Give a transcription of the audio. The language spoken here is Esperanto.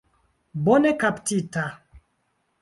Bone kaptita.